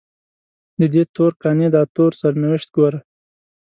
ددې تور قانع داتور سرنوشت ګوره